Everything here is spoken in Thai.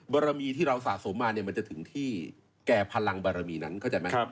บารมีที่เราสะสมมาเนี่ยมันจะถึงที่แก่พลังบารมีนั้นเข้าใจไหม